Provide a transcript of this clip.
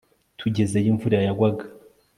Tugezeyo imvura yagwaga